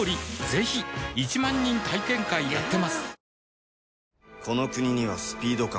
ぜひ１万人体験会やってますはぁ。